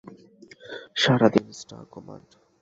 সাড়া দিন, star command.